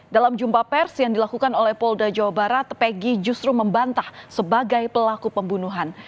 dalam jumpa pers yang dilakukan oleh polda jawa barat pegi justru membantah sebagai pelaku pembunuhan